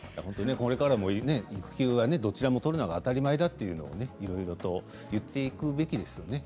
これからも育休はどちらも取るのが当たり前だというふうに言っていくべきですよね。